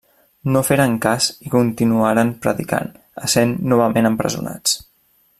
No feren cas i continuaren predicant, essent novament empresonats.